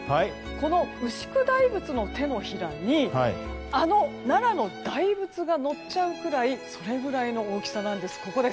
この牛久大仏の手のひらにあの奈良の大仏がのっちゃうぐらいそれぐらいの大きさなんです。